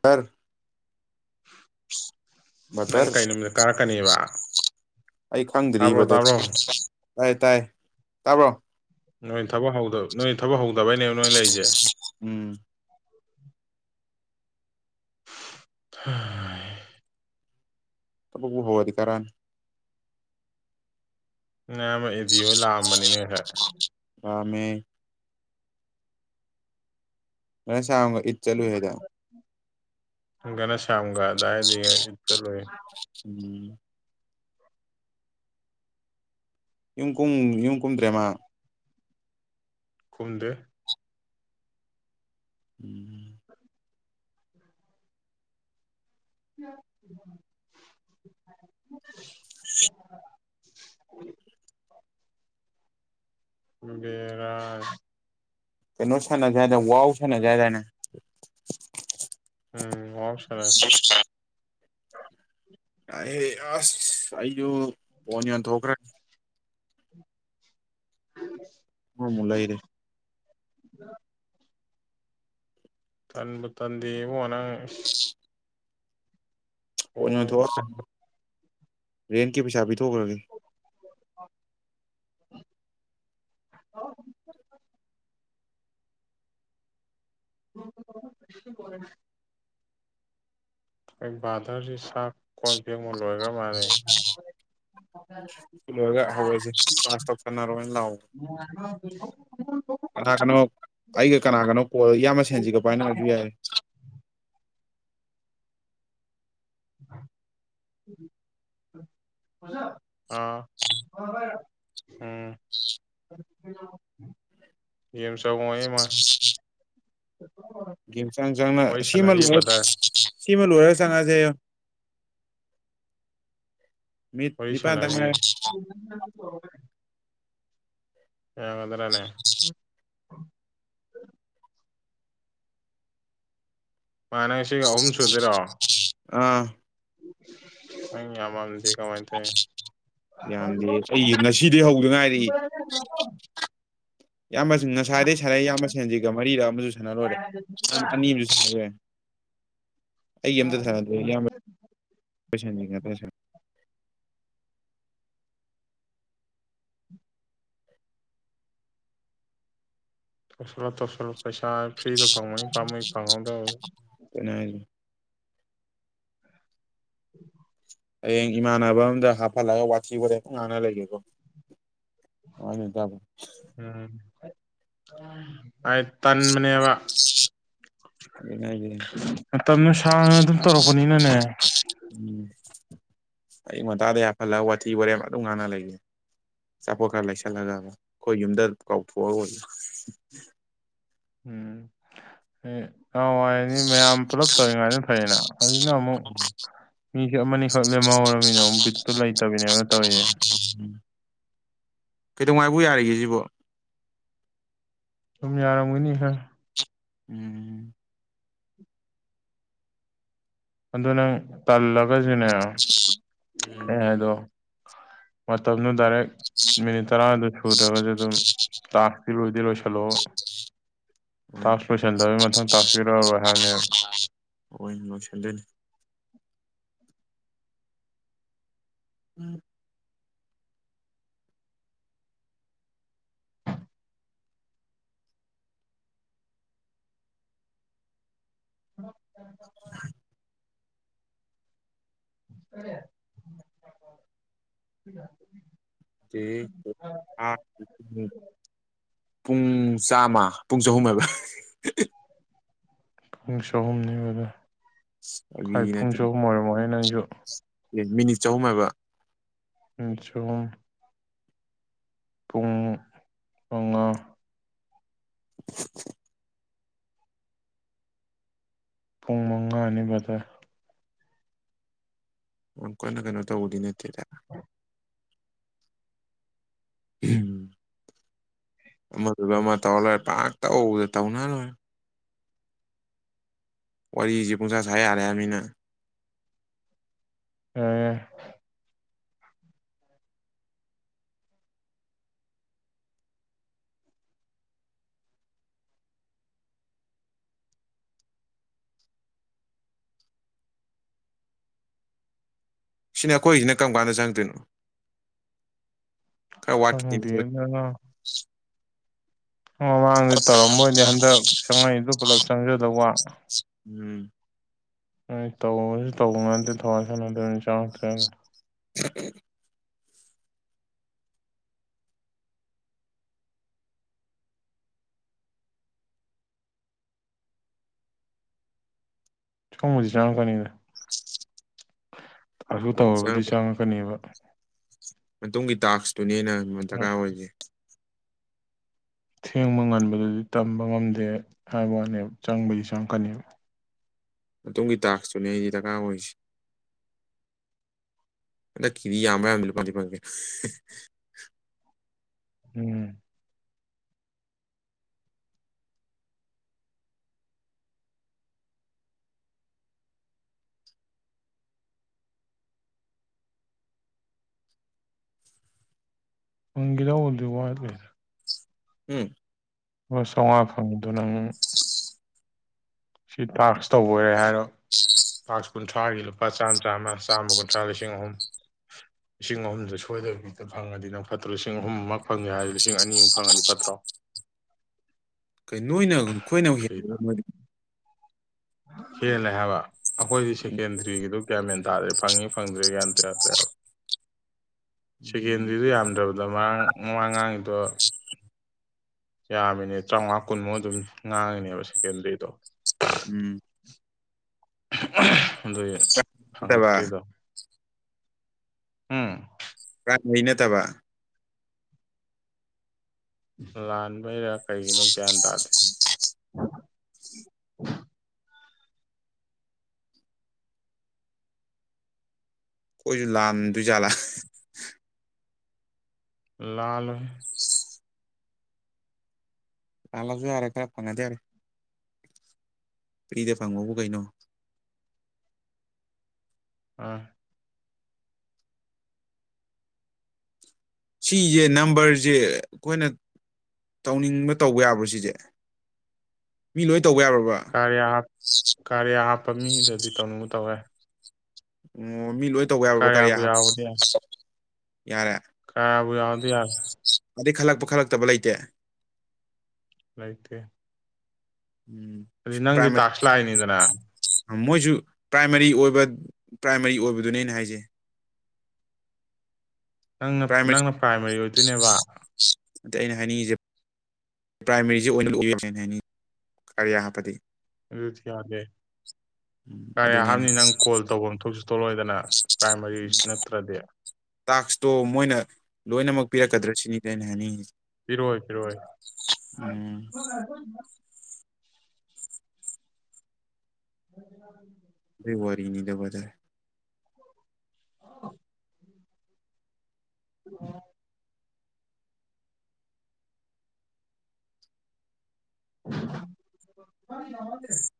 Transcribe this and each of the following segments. ꯇꯔ ꯅꯪ ꯀꯩ ꯅꯨꯃꯤꯠꯇ ꯀꯥꯔꯛꯀꯅꯤꯕ ꯑꯩ ꯈꯪꯗ꯭ꯔꯤ ꯇꯥꯏ ꯇꯥꯏ ꯇꯥꯕ꯭ꯔꯣ ꯅꯣꯏ ꯊꯕꯛ ꯍꯧꯗ ꯅꯣꯏ ꯊꯕꯛ ꯍꯧꯗꯕꯩꯅꯦꯕ ꯅꯣꯏ ꯂꯩꯔꯤꯁꯦ ꯎꯝ ꯍꯥꯍꯩ ꯊꯕꯛꯄꯨ ꯍꯧꯔꯗꯤ ꯀꯔꯛꯑꯅꯤ ꯅꯌꯥꯝꯕ ꯑꯦ ꯗꯤ ꯍꯣꯏ ꯂꯥꯛꯑꯝꯕꯅꯤꯅꯦ ꯉꯁꯥꯏ ꯂꯛꯑꯝꯃꯦ [unintelligible] [unintelligible] ꯒꯥꯅꯥꯁ꯭ꯌꯥꯝꯒ ꯑꯗꯥꯏꯗꯩ ꯏꯗꯀ ꯂꯣꯏ ꯎꯝ ꯌꯨꯝ ꯀꯨꯝ ꯌꯨꯝ ꯀꯨꯝꯗ꯭ꯔꯦꯃꯥ ꯈꯨꯝꯗꯦ ꯎꯝ [unintelligible] ꯕꯦꯔꯥ ꯀꯩꯅꯣ ꯁꯥꯟꯅꯖꯦ ꯍꯥꯏꯗꯥꯏꯅ ꯋꯥꯎ ꯁꯥꯟꯅꯖꯦ ꯍꯥꯏꯗꯥꯏꯅꯦ ꯎꯝ ꯁꯥꯟꯅꯁꯤ [unintelligible] ꯇꯥꯏꯌꯦ ꯑꯁ ꯑꯩꯁꯨ ꯐꯣꯟ ꯌꯣꯟꯊꯣꯛꯈ꯭ꯔꯦ [unintelligible] ꯑꯃꯥ ꯑꯃꯨꯛ ꯂꯩꯔꯦ [unintelligible] ꯇꯟꯕꯨ ꯇꯟꯗꯦ ꯏꯕꯨꯡꯉꯣ ꯅꯪ ꯏꯁ ꯐꯣꯟ ꯍꯣꯏ ꯌꯣꯟꯊꯣꯛꯑꯒꯥ [unintelligible] ꯔꯦꯟꯀꯤ ꯄꯩꯁꯥ ꯄꯤꯊꯣꯛꯈ꯭ꯔꯒꯦ [unintelligible] [inaudible] ꯑꯩ ꯕꯥꯗꯔꯁꯤ ꯁꯥꯥꯛ ꯀꯣꯟ ꯆꯦꯛ ꯑꯃꯛ ꯂꯣꯏꯈ꯭ꯔ ꯃꯥꯥꯟꯅꯩ ꯑꯣ ꯂꯒ ꯍꯣꯏꯁꯦ ꯐꯁꯇ ꯀꯅꯔꯅ ꯂ [inaudible] ꯀꯅꯥ ꯀꯅꯣ ꯑꯩꯒ ꯀꯅꯥ ꯀꯅꯣ ꯀꯣꯜ ꯏꯌꯥꯝꯕ ꯁꯦꯟꯁꯤꯒ ꯄꯥꯏꯅ ꯑꯣꯏꯁꯨ ꯌꯥꯏꯦ ꯎꯝ ꯑꯥ ꯎꯝ ꯌꯦꯦꯝ ꯇꯧꯕ ꯏꯃ ꯡ ꯆꯥꯡ ꯆꯥꯡꯅ ꯁꯤꯃ ꯁꯥꯟꯅꯔꯤꯌꯦ ꯂꯣꯏꯔ ꯕ꯭ꯔꯗꯔ ꯁꯤꯃ ꯂꯣꯏꯔꯒ ꯆꯪꯉꯛꯑꯁꯦ ꯃꯤ ꯅꯤꯄꯥꯥꯟ ꯇꯉꯦ ꯃꯔꯦ ꯌꯥ ꯉ ꯑꯗꯨ꯭ꯔꯅꯦ ꯃꯅꯥꯁꯤ ꯑꯍꯨꯝ ꯁꯨꯗꯔꯣ ꯑꯥ ꯑ ꯃꯗꯤ ꯌꯥꯝꯗꯦ ꯑꯩ ꯉꯁꯤꯗꯤ ꯍꯧꯗ ꯉꯥꯏꯔꯛꯏ [inaudible] ꯌꯥꯝꯌꯥꯝꯕ ꯉꯁꯥꯏꯗꯒꯤꯩ ꯁꯥꯟꯅꯩ ꯏꯌꯥꯝꯕ ꯁꯦꯟꯁꯤꯒ ꯃꯔꯤꯔ ꯑꯃꯁꯨ ꯁꯥꯟꯅꯔꯣꯏꯔꯦ ꯑꯅꯤ ꯑꯃꯁꯨ ꯁꯥꯟꯔꯦ [inaudible] ꯄꯩꯁꯥꯅꯤꯉꯁ ꯇꯁꯂ ꯇꯁꯂ ꯄꯩꯁꯥ ꯐ꯭ꯔꯤꯗꯣ ꯐꯪꯕꯅꯤ ꯐꯥ ꯐꯪꯉꯗ ꯀ [inaudible] ꯍꯌꯦꯡ ꯏꯃꯥꯟꯅꯕ ꯑꯃꯝꯗ ꯍꯥꯞꯍꯜꯂꯒ ꯋꯥꯊꯤꯕꯗꯦꯇ ꯉꯥꯟꯅ ꯂꯩꯒꯦꯀꯣ ꯋꯥꯅꯤꯗꯕ ꯎꯝ ꯑꯩ ꯇꯟꯃꯅꯦꯕ ꯑꯗꯨꯅꯦ ꯍꯥꯏꯁꯦ ꯃꯇꯝꯅ ꯁꯥꯡꯅ ꯑꯗꯨꯝ ꯇꯧꯔꯛꯄꯅꯤꯅꯅꯦ ꯎꯝ ꯑꯌꯛ ꯉꯟꯇꯥꯗ ꯌꯥꯐꯜꯂꯒ ꯋꯥꯊꯤ ꯋꯥꯔꯦꯝ ꯑꯗꯨꯝ ꯉꯥꯟꯅ ꯂꯩꯒꯦ ꯆꯆꯥꯄꯣꯠ ꯈꯔ ꯂꯩꯁꯜꯂꯒꯕ ꯑꯩꯈꯣꯏ ꯌꯨꯝꯗ ꯀꯥꯎꯊꯣꯛꯑꯒ ꯑꯣꯏ ꯎꯝ ꯍ ꯍꯥꯟꯋꯥꯏꯅꯤ ꯃꯌꯥꯝ ꯄꯨꯂꯞ ꯇꯧꯔꯤꯉꯥꯏꯅ ꯐꯩꯌꯦꯅ ꯑꯗꯨꯅ ꯑꯃꯨꯛ ꯃꯤꯁꯦ ꯑꯃꯅꯤꯈꯛ ꯂꯦꯝꯍꯧꯔꯃꯤꯅꯨ ꯕꯤꯠꯇꯨ ꯂꯩꯇꯕꯅꯦꯅ ꯇꯧꯔꯤꯅꯦ ꯑꯣꯏꯅ ꯀꯩꯗꯧꯉꯥꯏꯕꯨ ꯌꯥꯔꯤꯒꯦ ꯁꯤꯕꯣ ꯁꯨꯝ ꯌꯥꯔꯝꯒꯅꯤ ꯈꯔ ꯎꯝ ꯑꯗꯣ ꯅꯪ ꯇꯜꯂꯒꯁꯨꯅꯦ ꯎꯝ ꯑꯦ ꯍꯥꯏꯗꯣ ꯃꯇꯝꯗꯨ ꯗꯥꯏꯔꯦꯛ ꯃꯤꯅꯤꯠ ꯇꯔꯥꯗ ꯁꯨꯗ꯭ꯔꯒꯁꯨ ꯑꯗꯨꯝ ꯇꯥ ꯐꯤꯔꯣꯏꯗꯤ ꯂꯣꯏꯁꯤꯜꯂꯛ ꯑꯣꯏꯅꯤ ꯇꯥꯛꯁ ꯂꯣꯏꯁꯟꯗꯕꯩ ꯃꯊꯪ ꯇꯥꯛꯁ ꯄꯤꯔꯛꯔꯣꯏ ꯍꯥꯏꯕꯅꯤ ꯍ ꯂꯣꯏꯁꯤꯟꯗꯣꯏꯅꯤ ꯎꯝ ꯍ [inaudible] [inaudible] [inaudible] ꯄꯨꯡ ꯆꯥꯝꯃ ꯄꯨꯡ ꯆꯍꯨꯝ ꯍꯥꯏꯕ ꯄꯨꯡ ꯆꯍꯨꯝꯅꯤ ꯑꯗꯨꯗ ꯈ꯭ꯋꯥꯏ ꯐꯥꯒꯤ ꯄꯨꯡ ꯆꯍꯨꯝ ꯑꯣꯏꯔꯝꯃ ꯅꯪꯁꯨ ꯑꯦ ꯃꯤꯅꯤꯠ ꯆꯍꯨꯝ ꯍꯥꯏꯕ ꯎꯆ ꯄꯨꯡ ꯃꯉꯥ [unintelligible] ꯄꯨꯡ ꯃꯉꯥ ꯑꯅꯤ ꯗ ꯑꯣꯨ ꯀꯣꯏꯅ ꯀꯩꯅꯣ ꯇꯧꯗꯤ ꯅꯠꯇꯔ ꯎꯝ ꯑꯃꯗꯨꯗ ꯑꯃ ꯇꯧꯔ ꯂꯣꯏꯔꯦ ꯄꯥꯛꯇꯧꯕꯗ ꯇꯧꯅ ꯂꯣꯏꯔꯦ ꯋꯥꯔꯤꯁꯤ ꯄꯨꯡꯁꯥ ꯁ ꯌꯥꯔꯦ ꯍꯥꯏꯃꯤꯅ ꯌꯔꯦ ꯌꯔꯦ ꯁꯤꯅꯦ ꯑꯩꯈꯣꯏꯁꯤꯅ ꯀꯔꯝ ꯀꯥꯟꯗ ꯆꯪꯗꯣꯏꯅꯣ ꯋꯥꯠꯈꯤꯅꯤ ꯈꯪꯗꯦꯅ ꯃꯃꯥꯡꯗ ꯇꯧꯔꯝꯕꯣꯏꯗꯤ ꯍꯟꯗꯛ ꯆꯪꯅꯩꯗꯨ ꯄꯨꯂꯞ ꯆꯪꯖꯗꯧꯕ ꯎꯝ ꯑꯩ ꯇꯧꯕꯁꯨ ꯇꯧꯕ ꯉ ꯅꯠꯇꯦ ꯊꯋꯥꯏ ꯁꯥꯟꯅꯗꯣꯏꯅꯤ ꯆꯪꯉꯛꯇ꯭ꯔꯦꯅ ꯆ ꯆꯪꯕꯨꯗꯤ ꯆꯪꯉꯛꯀꯅꯤꯗꯁꯨ ꯇꯧꯔꯕꯗꯤ ꯆꯪꯉꯛꯀꯅꯦꯕ ꯃꯇꯨꯡꯒꯤ ꯇꯥꯛꯁꯇꯨꯅꯦ ꯑꯩꯅ ꯗꯔꯀꯥꯔ ꯑꯣꯏꯁꯦ ꯊꯦꯡꯕ ꯉꯟꯕꯗꯗꯤ ꯇꯝꯕ ꯉꯝꯗꯦ ꯍꯥꯏꯕ ꯋꯥꯅꯦꯕ ꯆꯪꯕꯒꯤ ꯆꯪꯀꯅꯦꯕ ꯃꯇꯨꯡꯒꯤ ꯇꯥꯛꯁꯇꯨꯅꯦ ꯑꯩꯗꯤ ꯗꯔꯀꯥꯔ ꯑꯣꯏꯔꯤꯁꯦ [inaudible] ꯎꯝ ꯎꯪꯒꯤꯗꯎꯗꯨ ꯋꯥꯂ ꯎꯝ ꯂꯨꯆꯥꯝꯃꯉꯥ ꯐꯪꯉꯗꯣ ꯅꯪ ꯁꯤ ꯇꯥꯛꯁ ꯇꯧꯕꯔꯦ ꯍꯥꯏꯔꯣ ꯇꯥꯁ ꯀꯨꯟꯊ꯭ꯔꯥꯒꯤ꯫ ꯂꯄꯥ ꯆ ꯆꯥꯃ ꯆꯥꯝꯃ ꯀꯨꯟꯊ꯭ꯔꯥ ꯂꯤꯁꯤꯡ ꯑꯍꯨꯝ꯫ ꯂꯤꯁꯤꯡ ꯑꯍꯨꯝꯗ ꯁꯣꯏꯗꯕꯕꯤꯗ ꯐꯪꯉꯗꯤ ꯅꯪ ꯐꯠꯇ꯭ꯔꯣ ꯂꯤꯁꯤꯡ ꯑꯍꯨꯝꯃꯨꯛ ꯐꯪꯉꯦ ꯍꯥꯏꯔꯗꯤ ꯂꯤꯁꯤꯡ ꯑꯅꯤꯃꯨꯛ ꯐꯪꯉꯗꯤ ꯐꯠꯇ꯭ꯔꯣ ꯀꯩ ꯅꯣꯏꯅꯣꯏꯅ ꯍꯦꯟꯕꯔꯣ ꯑꯈꯣꯏꯗꯥꯒꯤ꯫ ꯍꯦꯂ ꯍꯥꯏꯕ ꯑꯩꯈꯣꯏꯗꯤ ꯁꯦꯀꯦꯟꯗ꯭ꯔꯤꯒꯤꯗꯨ ꯒꯌꯥꯃꯦꯟ ꯇꯥ꯭ꯔꯦ ꯐꯪꯉꯤ ꯐꯪꯗ꯭ꯔꯦ ꯀꯒꯌꯥꯟ ꯇꯥ ꯌꯥꯗ꯭ꯔꯦꯕ꯫ ꯁꯦꯀꯦꯟꯗꯔꯤꯗꯨꯣ ꯌꯥꯝꯗ꯭ꯔꯕꯗ ꯃꯥꯥꯡ ꯃꯥꯡꯉꯥꯡꯉꯗꯣ ꯌꯥꯃꯤꯅꯦ ꯇꯔꯥꯃꯉꯥ ꯀꯨꯟꯃꯨꯛ ꯑꯗꯨꯝ ꯉꯥꯡꯉꯤꯅꯦꯕ ꯁꯦꯀꯦꯟꯗꯔꯤꯗꯣ ꯎꯝ ꯑꯗꯨ ꯅꯠꯇꯕ ꯐꯪꯉꯛꯇ꯭ꯔꯤꯗꯣ ꯎꯝ ꯀꯥꯟꯉꯩ ꯅꯠꯇꯕ ꯂꯥꯟꯕꯩꯔꯥ ꯀꯩꯒꯤꯅꯣ ꯒ꯭ꯌꯥꯟ ꯇꯥꯗꯦ꯫ ꯑꯩꯣꯏꯁꯨ ꯂꯥꯟꯗꯣꯏ ꯖꯥꯠꯂꯥ ꯂꯥꯜꯂꯣꯏꯍꯦ꯫ ꯂꯥꯜꯂꯁꯨ ꯌꯥꯔꯦ ꯈꯔ ꯐꯪꯉꯗꯤ ꯌꯥꯔꯦ꯫ ꯐ꯭ꯔꯤꯗ ꯐꯪꯉꯕꯨ ꯀꯩꯅꯣ ꯑꯥ ꯁꯤꯁꯦ ꯅꯝꯕꯔꯁꯦ ꯑꯩꯈꯣꯏꯅ ꯇꯧꯅꯤꯡꯕ ꯇꯧꯕ ꯌꯥꯕ꯭ꯔꯥꯣ ꯁꯤꯁꯦ꯫ ꯃꯤ ꯂꯣꯏ ꯇꯧꯕ ꯌꯥꯔꯕ ꯀꯔꯤꯌꯥ ꯀꯔꯤꯌꯥ ꯍꯥꯞꯄ ꯃꯤꯗꯗꯤ ꯇꯧꯅꯤꯡꯨ ꯇꯧ ꯌꯥꯏ꯫ ꯑꯣ ꯃꯤ ꯂꯣꯏ ꯇꯧꯕ ꯌꯥꯕ꯭ꯔꯣ ꯀꯔꯤ ꯀꯔꯤꯌꯥꯕꯨ ꯌꯥꯎꯕꯗꯤ ꯌꯥꯔꯦ꯫ ꯀꯥꯔꯌꯕꯨ ꯌꯥꯎꯗꯤ ꯌꯥꯔꯦ꯫ ꯑꯩ ꯈꯜꯂꯛꯄ ꯈꯜꯂꯛꯇꯕ ꯂꯩꯇꯦ꯫ ꯂꯩꯥꯇꯦ꯫ ꯎꯝ ꯑꯗꯨꯗꯤ ꯅꯪꯗꯤ ꯄ꯭ꯔꯥꯏꯃꯥꯔꯤ ꯇꯥꯛꯁ ꯂꯥꯛꯏꯅꯤꯗꯅ ꯃꯣꯏꯁꯨ ꯄ꯭ꯔꯥꯏꯃꯥꯔꯤ ꯑꯣꯏꯕ ꯄ꯭ꯔꯥꯏꯃꯥꯔꯤ ꯑꯣꯏꯕꯗꯨꯅꯤ ꯑꯩꯅ ꯍꯥꯏꯁꯦ꯫ ꯅꯪꯅ ꯄ꯭ꯔꯥꯏꯃꯥꯔꯤ ꯅꯪꯅ ꯄ꯭ꯔꯥꯏꯃꯥꯔꯤ ꯑꯣꯏꯗꯣꯏꯅꯦꯕ꯫ ꯑꯗ ꯑꯩꯅ ꯍꯥꯏꯅꯤꯡꯉꯤꯁꯦ ꯄ꯭ꯔꯥꯏꯃꯥꯔꯤꯁꯦ ꯑꯣꯏꯅ ꯎꯩꯅ [unintelligible] ꯍꯥꯏꯅꯤꯡꯉ [unintelligible] ꯀꯔꯤꯌꯥ ꯍꯥꯞꯄꯗꯤ꯫ ꯑꯗꯨꯗꯤ ꯌꯥꯗꯦ ꯀꯥꯔꯌꯥ ꯑꯗꯨꯅꯦꯅ ꯍꯥꯞꯅꯤ ꯅꯪ ꯀꯣꯜ ꯇꯧꯐꯝ ꯊꯣꯛꯁꯨ ꯊꯣꯛꯂꯛꯑꯣꯏ꯫ ꯑꯗꯨꯅ ꯄ꯭ꯔꯥꯏꯃꯥꯔꯤꯁꯤ ꯅꯠꯇ꯭ꯔꯗꯤ꯫ ꯇꯥꯛꯁꯇꯣ ꯃꯣꯏꯅ ꯂꯣꯏꯅꯃꯛ ꯄꯤꯔꯛꯀꯗ꯭ꯔꯥ ꯁꯤꯅꯤꯗ ꯑꯩꯅ ꯍꯥꯏꯅꯤꯡꯉꯤꯁꯦ꯫ ꯄꯤꯔꯛꯑꯣꯏ ꯄꯤꯔꯛꯑꯣꯏ꯫ ꯎꯝ [inaudible] ꯑꯗꯨꯏ ꯋꯥꯔꯤꯅꯤ ꯕ‍꯭ꯔꯗ꯭ꯔ꯫ [inaudible] [inaudible] [unintelligible]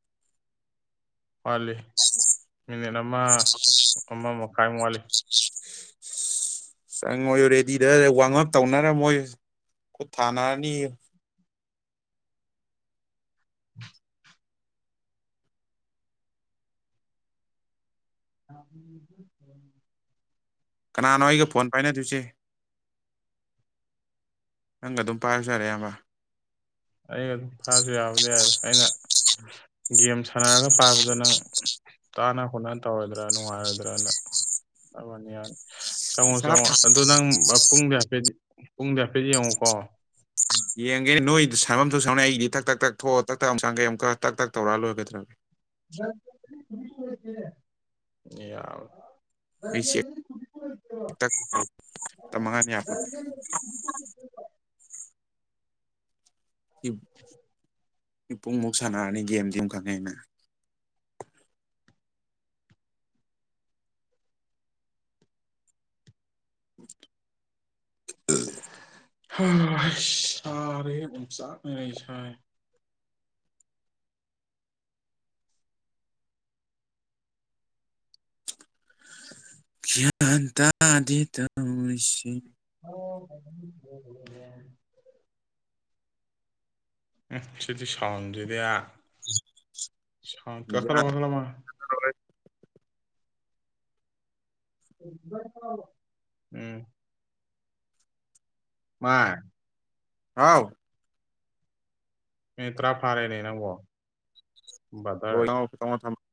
ꯋꯥꯠꯂꯤ ꯃꯤꯅꯤꯠ ꯑꯃ ꯑꯃ ꯃꯈꯥꯏꯃꯨꯛ ꯋꯥꯠꯂꯤ꯫ ꯆꯪꯉꯣꯌꯨ ꯔꯦꯗꯤꯗ ꯋꯥꯔ꯭ꯝ ꯑꯞ ꯇꯧꯅꯔꯝꯃꯣꯌꯨ ꯈꯨꯠ ꯊꯥꯅꯔꯅꯤꯌꯨ꯫ [inaudible] ꯀꯅꯥꯅꯣ ꯑꯩꯒ ꯐꯣꯟ ꯄꯥꯏꯅꯗꯣꯏꯁꯦ꯫ ꯅꯪꯒ ꯑꯗꯨꯝ ꯄꯥꯏꯔꯁꯨ ꯌꯥꯔꯦ ꯏꯌꯥꯝꯕ꯫ ꯑꯩꯒ ꯑꯗꯨꯝ ꯄꯥꯏꯔꯁꯨ ꯌꯥꯕꯗꯤ ꯌꯥꯏꯗ ꯑꯗ ꯑꯩꯅ ꯒꯦꯝ ꯁꯥꯟꯅꯔꯒ ꯄꯥꯕꯗꯨ ꯅꯪ ꯇꯥꯅ ꯈꯣꯠꯅ ꯇꯧꯔꯣꯏꯗ꯭ꯔꯥꯅ ꯅꯨꯡꯉꯥꯏꯔꯣꯏꯗ꯭ꯔꯅ ꯍꯥꯏꯋꯥꯅꯤ꯫ ꯆꯪꯉꯣ ꯏꯁꯥꯞ ꯆꯪꯉꯣ ꯑꯗꯣ ꯅꯪ ꯄꯨꯡꯗꯤ ꯍꯥꯏꯐꯦꯠ ꯄꯨꯡꯗꯤ ꯍꯥꯏꯐꯦꯠ ꯌꯦꯡꯉꯣꯀꯣ ꯌꯦꯡꯒꯦꯅꯦ ꯅꯣꯏ ꯁꯥꯟꯅꯐꯝ ꯊꯣꯛ ꯁꯥꯟꯅꯧꯅꯦ ꯑꯩꯒꯤꯗꯤ ꯊꯛ ꯇꯛ ꯇꯛ ꯊꯣꯛꯑ ꯇꯛ ꯇꯛ ꯑꯃꯨꯛ ꯆꯪꯉꯛꯀꯦ ꯑꯃꯨꯛꯀ ꯇꯛ ꯇꯛ ꯇꯧꯔꯛꯑ ꯂꯣꯏꯔꯦ ꯀꯩꯗꯧꯔꯒꯦ꯫ [unintelligible] ꯑꯩ ꯆꯦꯛ ꯗꯤꯕ ꯇꯛ ꯃꯉꯥꯅꯤ ꯌꯥꯄꯣꯠꯇꯦ [unintelligible] ꯄꯨꯡꯃꯨꯛ ꯁꯥꯟꯅꯔꯅꯤ ꯒꯦꯝꯗꯤ ꯑꯗꯨꯝ ꯈꯪꯉꯦ ꯑꯩꯅ ꯑꯝ [unintelligible] ꯍꯥ ꯁꯥꯔꯦꯍꯦ ꯑꯣꯝꯆꯥꯛꯅꯔꯦꯍꯦ ꯏꯁꯥꯁꯤ ꯒ꯭꯭ꯌꯥꯟ ꯇꯥꯗꯦ ꯇꯧꯔꯤꯁꯤ ꯍ [unintelligible] ꯎꯝ ꯁꯤꯗꯤ ꯁꯥꯎꯟꯁꯤꯗꯤ ꯁꯥꯎꯟ ꯌꯥ ꯀꯛꯊꯠꯂꯣ [unintelligible] ꯀꯛꯊꯠꯂꯣ ꯃꯥ ꯎꯝ ꯃꯥ ꯍꯥꯎ ꯃꯤꯅꯤꯠ ꯇ꯭ꯔꯥ ꯐꯥꯔꯦꯅꯦ ꯅꯪꯕꯣ ꯕꯗꯔ ꯇ [unintelligible] ꯊ [unintelligible]